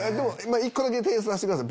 １個だけ訂正させてください。